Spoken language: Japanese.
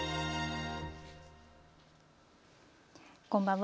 こんばんは。